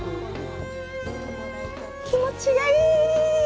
気持ちがいい！